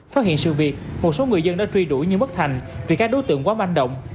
phát hiện sự việc một số người dân đã truy đuổi nhưng bất thành vì các đối tượng quá manh động